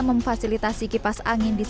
memfasilitasi kondisi air yang berkualitas